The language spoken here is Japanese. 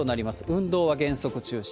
運動は原則中止。